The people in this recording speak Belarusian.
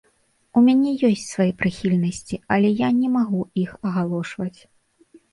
У мяне ёсць свае прыхільнасці, але я не магу іх агалошваць.